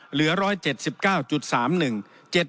เหลือ๑๗๙๓๑บาท